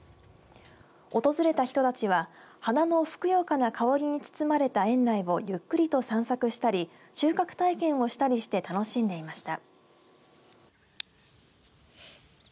訪れた人たちは花のふくよかな香りに包まれた園内をゆっくりと散策したり収穫体験をしたりして楽しんでいました。